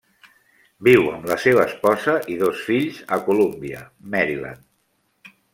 Viu amb la seva esposa i dos fills a Columbia, Maryland.